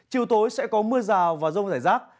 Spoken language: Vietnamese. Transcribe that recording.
chiều tối sẽ có mưa rào và rông rải rác